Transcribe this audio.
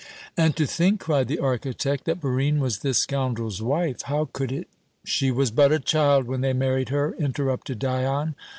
"And to think," cried the architect, "that Barine was this scoundrel's wife! How could it be " "She was but a child when they married her," interrupted Dion.